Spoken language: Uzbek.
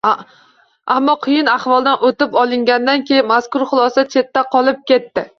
Ammo, qiyin ahvoldan o‘tib olingandan keyin, mazkur xulosa chetda qolib ketdi